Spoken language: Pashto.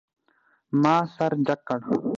ما سر جګ کړ.